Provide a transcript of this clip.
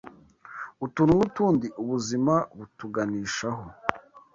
Utuntu n’Utundi ubuzima butuganishaho